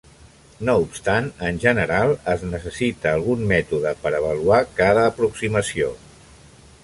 No obstant, en general, es necessita algun mètode per avaluar cada aproximació.